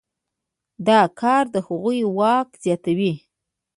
دا کار د هغوی واک زیاتوي.